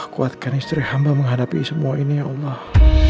kuatkan istri hamba menghadapi semua ini ya allah